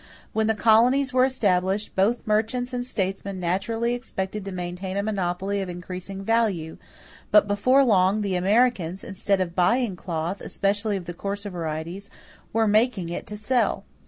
When the colonies were established, both merchants and statesmen naturally expected to maintain a monopoly of increasing value; but before long the Americans, instead of buying cloth, especially of the coarser varieties, were making it to sell.